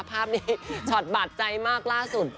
ภาพนี้ช็อตบาดใจมากล่าสุด